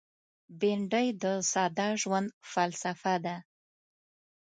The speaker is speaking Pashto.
بېنډۍ د ساده ژوند فلسفه ده